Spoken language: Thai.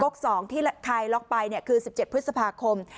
๒ที่คลายล็อกไปคือ๑๗พฤษภาคม